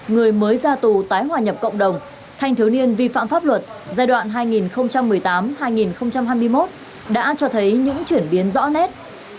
người mới ra tù tái hòa nhập cộng đồng thanh thiếu niên vi phạm pháp luật giai đoạn hai nghìn một mươi tám hai nghìn hai mươi một đã cho thấy những chuyển biến rõ nét